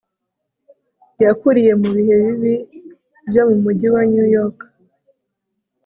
yakuriye mu bihe bibi byo mu mujyi wa new york